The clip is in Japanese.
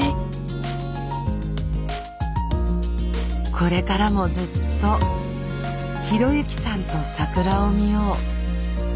これからもずっと啓之さんと桜を見よう。